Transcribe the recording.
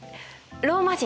ローマ人？